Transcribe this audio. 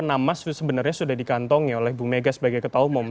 nama sebenarnya sudah dikantongi oleh bu mega sebagai ketua umum